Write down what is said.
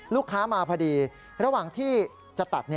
ลูกค้ามาพอดีระหว่างที่จะตัด